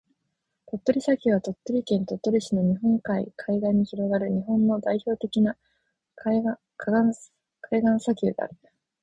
鳥取砂丘は、鳥取県鳥取市の日本海海岸に広がる日本の代表的な海岸砂丘である。